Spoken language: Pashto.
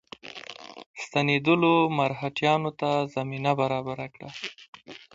ستنېدلو مرهټیانو ته زمینه برابره کړه.